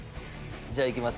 じゃあいきます。